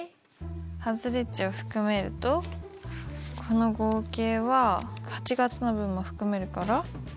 外れ値を含めるとこの合計は８月の分も含めるから。